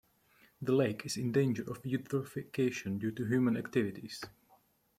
The lake is in danger of eutrophication due to human activities.